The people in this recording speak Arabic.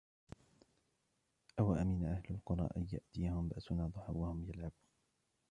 أَوَأَمِنَ أَهْلُ الْقُرَى أَنْ يَأْتِيَهُمْ بَأْسُنَا ضُحًى وَهُمْ يَلْعَبُونَ